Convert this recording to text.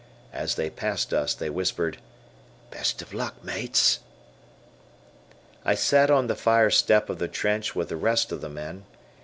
As they passed us, they whispered, "The best o' luck mates." I sat on the fire step of the trench with the rest of the men.